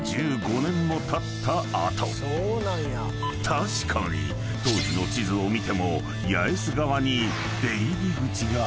［確かに当時の地図を見ても八重洲側に］